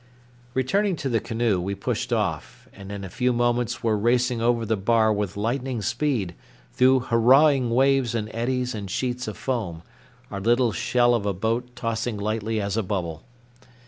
Returning to the canoe, we pushed off, and in a few moments were racing over the bar with lightning speed through hurrahing waves and eddies and sheets of foam, our little shell of a boat tossing lightly as a bubble.